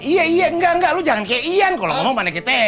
iya iya enggak enggak lu jangan kayak ian kalau ngomong mana ke tb